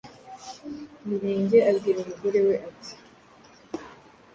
Mirenge abwira umugore we ati “